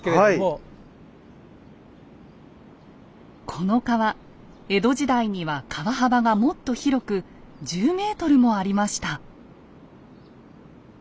この川江戸時代には川幅がもっと広く１０ｍもありました。